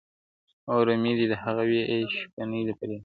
o رمې دي د هغه وې اې شپنې د فريادي وې.